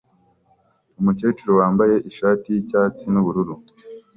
Umukecuru wambaye ishati yicyatsi nubururu